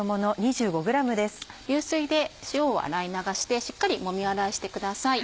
流水で塩を洗い流してしっかりもみ洗いしてください。